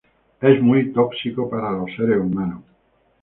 Es muy tóxico para seres humanos.